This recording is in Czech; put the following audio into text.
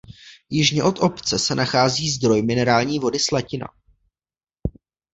Jižně od obce se nachází zdroj minerální vody Slatina.